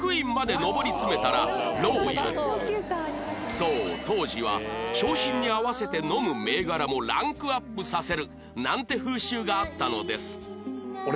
そう当時は昇進に合わせて飲む銘柄もランクアップさせるなんて風習があったのです